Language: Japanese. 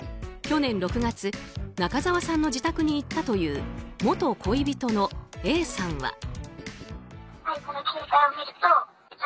去年６月中澤さんの自宅に行ったという元恋人のＡさんは。